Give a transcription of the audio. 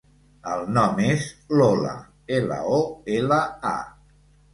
El nom és Lola: ela, o, ela, a.